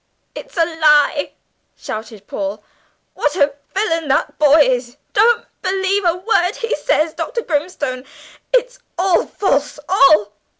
"It's a lie!" shouted Paul, "What a villain that boy is! Don't believe a word he says, Dr. Grimstone; it's all false all!"